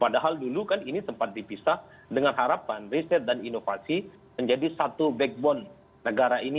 padahal dulu kan ini sempat dipisah dengan harapan riset dan inovasi menjadi satu backbone negara ini